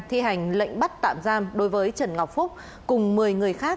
thi hành lệnh bắt tạm giam đối với trần ngọc phúc cùng một mươi người khác